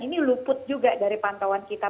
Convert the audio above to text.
ini luput juga dari pantauan kita